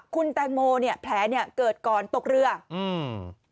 คุณแตงโมเนี้ยแผลเนี้ยเกิดก่อนตกเรืออืม